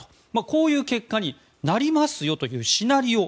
こういう結果になりますというシナリオ。